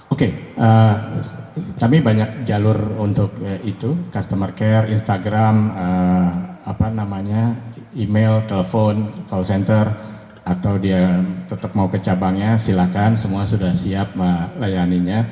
oke kami banyak jalur untuk itu customer care instagram email telepon call center atau dia tetap mau ke cabangnya silakan semua sudah siap melayaninya